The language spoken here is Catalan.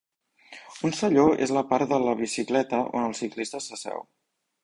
Un selló és la part de la bicicleta on el ciclista s'asseu.